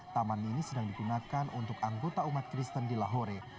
taman mini sedang digunakan untuk anggota umat kristen di lahore